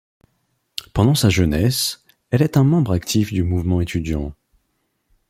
Pendant sa jeunesse, elle est un membre actif du mouvement étudiant.